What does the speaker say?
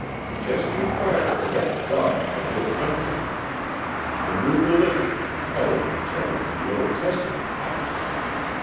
Just you try to forget the dogma of your country! The new religion compelled a return to the Old Testament.